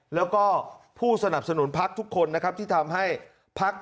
แล้วก็ผู้สนับสนุนพักทุกคนนะครับที่ทำให้พัก